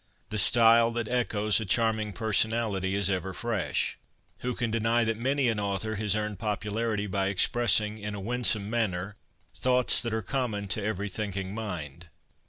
The style that echoes a charm ing personality is ever fresh. Who can deny that many an author has earned popularity by expressing in a winsome manner thoughts that are common to every thinking mind